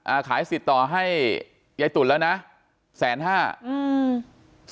อ่าขายสิทธิ์ต่อให้ยายตุ๋นแล้วนะแสนห้าอืม